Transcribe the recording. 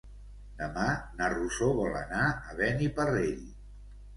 Demà na Rosó vol anar a Beniparrell.